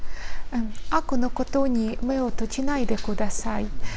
多くのことに目を閉じないでください。